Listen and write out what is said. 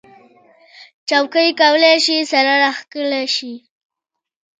چوکۍ کولی شي سره راښکل شي.